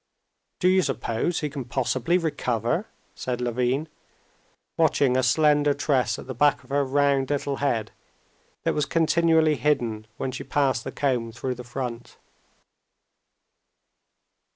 "Do you suppose he can possibly recover?" said Levin, watching a slender tress at the back of her round little head that was continually hidden when she passed the comb through the front.